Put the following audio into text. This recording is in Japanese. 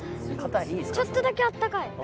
ちょっとだけあったかい。